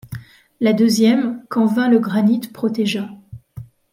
La deuxième, qu’en vain le granit protégea